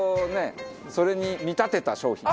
それに見立てた商品。